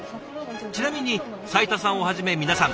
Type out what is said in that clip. ちなみに斉田さんをはじめ皆さん